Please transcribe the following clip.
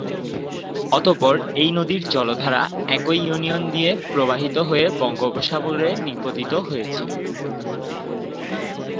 অতঃপর এই নদীর জলধারা একই ইউনিয়ন দিয়ে প্রবাহিত হয়ে বঙ্গোপসাগরে নিপতিত হয়েছে।